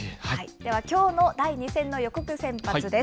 ではきょうの第２戦の予告先発です。